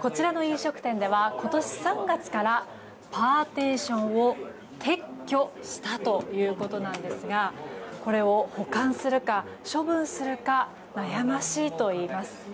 こちらの飲食店では今年３月からパーティションを撤去したということなんですがこれを保管するか処分するか悩ましいといいます。